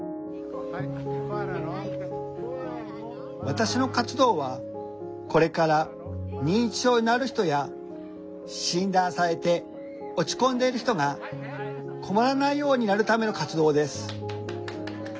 「私の活動はこれから認知症になる人や診断されて落ち込んでいる人が困らないようになるための活動です」。